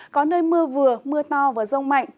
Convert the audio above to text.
có nơi mưa vừa mưa to và rông mạnh